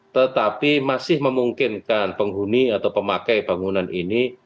tetapi masih memungkinkan penghuni atau pemakai bangunan ini